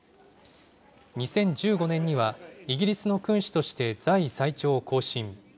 ２０１５年には、イギリスの君主として在位最長を更新。